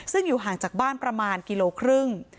ซึ่งอยู่ห่างจากบ้านประมาณกิโลครึ่ง